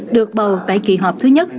được bầu tại kỳ họp thứ nhất